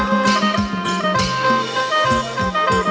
สวัสดีครับสวัสดีครับ